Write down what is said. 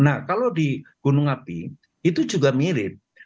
nah kalau di gunung api itu juga mirip